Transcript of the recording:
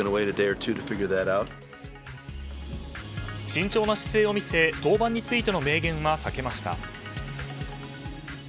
慎重な姿勢を見せ登板についての明言は避けました。